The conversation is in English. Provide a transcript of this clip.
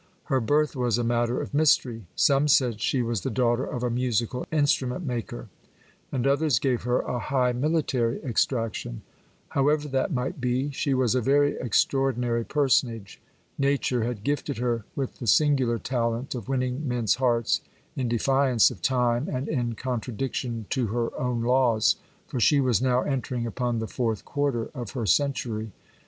Her birth was a matter of mystery. Some said she was the daughter of a musical instrument maker, and others gave her a high military extraction. However that might be, she was a very extraordinary personage. Nuture had gifted her with the singular talent of winning men's hearts in defi ance of time, and in contradiction to her own laws; for she was now entering upon the fourth quarter of her century.